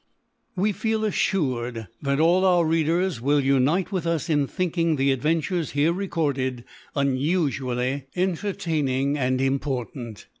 We feel assured that all our readers will unite with us in thinking the adventures here recorded unusually entertaining and important.